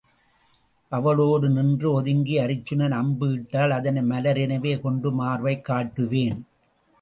அவளோடு நின்று ஒதுங்கி அருச்சுனன் அம்பு இட்டால் அதனை மலர் எனவே கொண்டு மார்பைக் காட்டுவேன்.